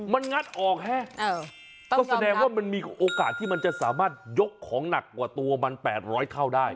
มันงัดออกฮะก็แสดงว่ามันมีโอกาสที่มันจะสามารถยกของหนักกว่าตัวมัน๘๐๐เท่าได้